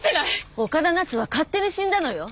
岡田奈津は勝手に死んだのよ。